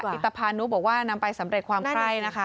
เพราะว่าอิตภานุบอกว่านำไปสำเร็จความใคร่นะคะ